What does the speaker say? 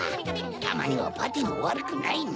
たまにはパーティーもわるくないな。